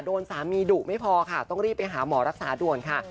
โดนสามีดุไม่พอค่ะต้องรีบไปหาหมอรักษาด่วนค่ะ